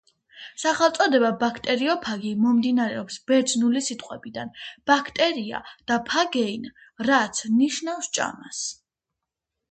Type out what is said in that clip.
სახელწოდება "ბაქტერიოფაგი" მომდინარეობს ბერძნული სიტყვებიდან "ბაქტერია" და "ფაგეინ", რაც ნიშნავს ჭამას.